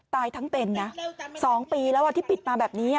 ตายทั้งเป็นนะ๒ปีแล้วที่ปิดมาแบบนี้